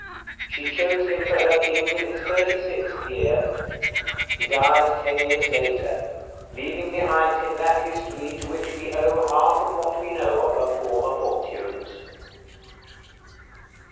She chose him for her king in his 36th year; he died ten years later, leaving behind him that history to which we owe half of what we know of her former fortunes.